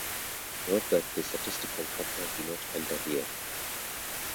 Note that the statistical factors do not enter here.